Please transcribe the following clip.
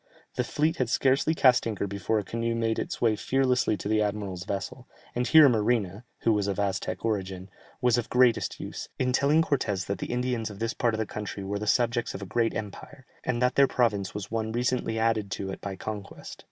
The fleet had scarcely cast anchor before a canoe made its way fearlessly to the admiral's vessel, and here Marina (who was of Aztec origin) was of the greatest use, in telling Cortès that the Indians of this part of the country were the subjects of a great empire, and that their province was one recently added to it by conquest.